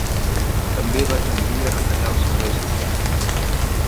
També va tendir a retallar els serveis socials.